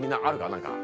何か。